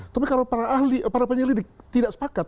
tapi kalau para penyelidik tidak sepakat